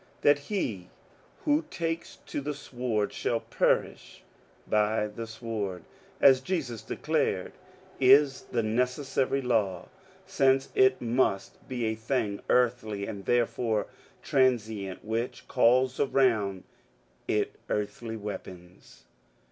^^ That he who takes to the sword shall perish by the sword, as Jesus declared, is the neces sary law, since it must be a thing earthly and therefore tran sient which calls around it earthly weapons."